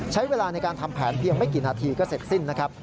ใช้เวลาในการทำแผนเพียงไม่กี่นาทีก็เสร็จสิ้นนะครับ